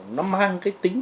nó mang cái tính thật